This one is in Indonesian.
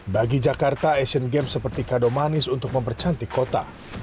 bagi jakarta asian games seperti kado manis untuk mempercantik kota